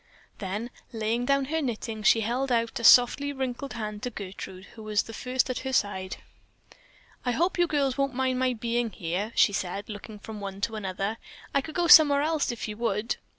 Then, laying down her knitting, she held out a softly wrinkled hand to Gertrude, who was the first at her side. "I hope you girls won't mind my being here," she said, looking from one to another. "I could go somewhere else, if you would."